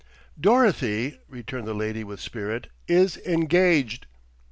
"Dorothy," returned the lady with spirit, "is engaged...."